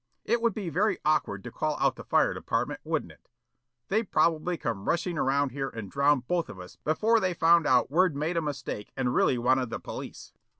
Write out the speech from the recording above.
It would be very awkward to call out the fire department, wouldn't it? They'd probably come rushing around here and drown both of us before they found out wer'd made a mistake and really wanted the police."